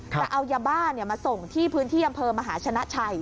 แต่เอายาบ้ามาส่งที่พื้นที่อำเภอมหาชนะชัย